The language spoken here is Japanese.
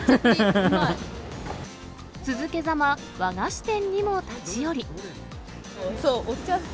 続けざま、和菓子店にも立ちそう、お茶と。